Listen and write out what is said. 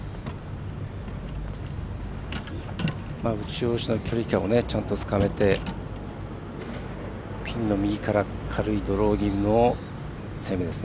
打ち下ろしの距離感をちゃんとつかんでピンの右から軽いドロー系の攻めです。